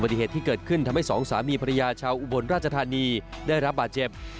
ติเหตุที่เกิดขึ้นทำให้สองสามีภรรยาชาวอุบลราชธานีได้รับบาดเจ็บ